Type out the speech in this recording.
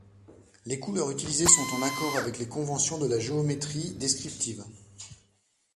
Les couleurs utilisées sont en accord avec les conventions de la géométrie descriptive.